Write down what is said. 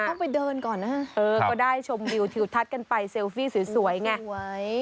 ต้องไปเดินก่อนนะเออก็ได้ชมวิวทิวทัศน์กันไปเซลฟี่สวยไงสวย